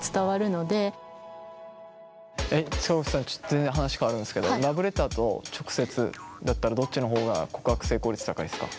全然話変わるんですけどラブレターと直接だったらどっちの方が告白成功率高いですか？